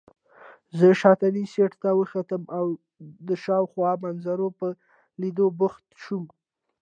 زه شاتني سېټ ته واوښتم او د شاوخوا منظرو په لیدو بوخت شوم.